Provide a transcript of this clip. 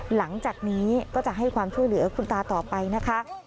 หลังจากนี้ก็จะให้ความช่วยเหลือคุณตาต่อไปนะคะ